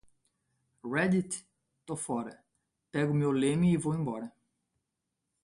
Reddit? Tô fora. Pego meu lemmy e vou embora.